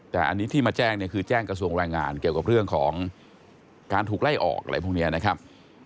แต่อันนี้ที่มาแจ้งเนี่ยคือแจ้งกระทรวงแรงงานเกี่ยวกับเรื่องของการถูกไล่ออกอะไรพวกนี้นะครับ